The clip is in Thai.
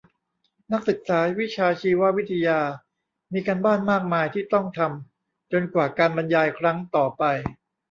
นักศึกษาวิชาชีววิทยามีการบ้านมากมายที่ต้องทำจนกว่าการบรรยายครั้งต่อไป